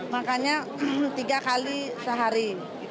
makannya tiga kali sehari